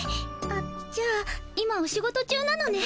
あっじゃあ今お仕事中なのね。